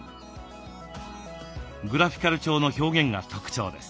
グラフィカル調の表現が特徴です。